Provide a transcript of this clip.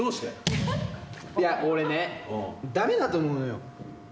いや俺ね駄目だと思うのよ。